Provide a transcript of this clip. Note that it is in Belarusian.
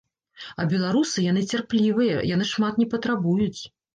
А беларусы, яны цярплівыя, яны шмат не патрабуюць.